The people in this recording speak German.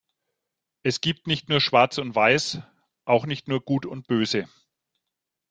Es gibt nicht nur Schwarz und Weiß, auch nicht nur Gut und Böse.